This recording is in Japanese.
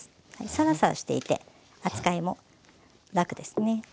サラサラしていて扱いも楽ですね。